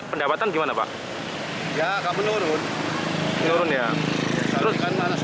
pendapatan gimana pak ya kamu nurun nurun ya terus